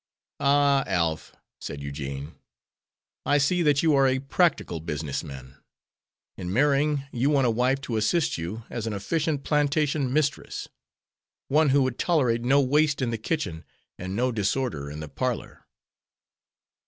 "Ah, Alf," said Eugene, "I see that you are a practical business man. In marrying you want a wife to assist you as an efficient plantation mistress. One who would tolerate no waste in the kitchen and no disorder in the parlor."